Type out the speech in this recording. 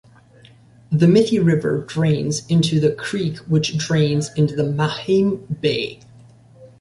The Mithi River drains into the creek which drains into the Mahim Bay.